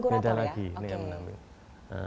beda lagi dengan kurator ya